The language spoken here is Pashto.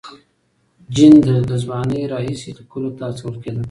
جین له ځوانۍ راهیسې لیکلو ته هڅول کېده.